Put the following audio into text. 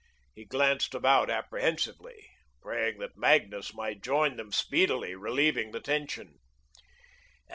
He glanced about apprehensively, praying that Magnus might join them speedily, relieving the tension.